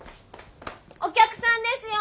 お客さんですよ！